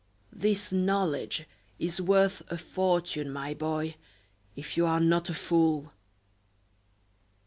This knowledge is worth a fortune, my boy, if you are not a fool!"